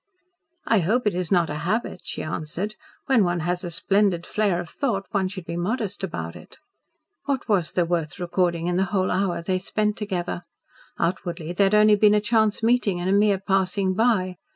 "I hope it is not a habit," she answered. "When one has a splendid flare of thought one should be modest about it." What was there worth recording in the whole hour they spent together? Outwardly there had only been a chance meeting and a mere passing by.